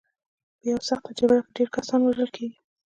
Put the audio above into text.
په یوه سخته جګړه کې ډېر کسان وژل کېږي.